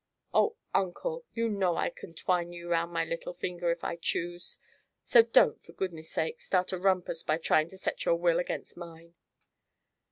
"Oh, Uncle! You know I can twine you around my little finger, if I choose. So don't, for goodness' sake, start a rumpus by trying to set your will against mine."